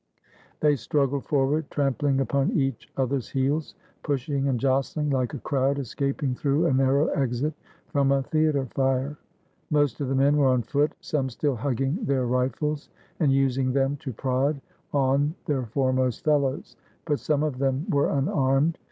They struggled forward, trampling upon each other's heels, pushing and jostling like a crowd escaping through a narrow exit from a theater fire. Most of the men were on foot, some still hugging their rifles, and using them to prod on their foremost fellows, but some of them were unarmed.